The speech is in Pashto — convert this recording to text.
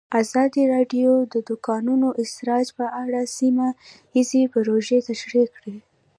ازادي راډیو د د کانونو استخراج په اړه سیمه ییزې پروژې تشریح کړې.